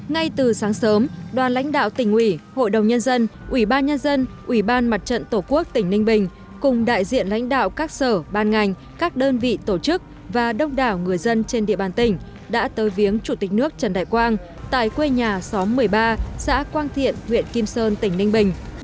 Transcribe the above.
ngay từ sáng sớm đoàn lãnh đạo tỉnh ủy hội đồng nhân dân ủy ban nhân dân ủy ban mặt trận tổ quốc tỉnh ninh bình cùng đại diện lãnh đạo các sở ban ngành các đơn vị tổ chức và đông đảo người dân trên địa bàn tỉnh đã tới viếng chủ tịch nước trần đại quang tại quê nhà xóm một mươi ba xã quang thiện huyện kim sơn tỉnh ninh bình